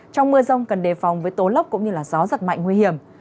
trong mưa rông cần đề phòng với tố lốc cũng như gió giật mạnh nguy hiểm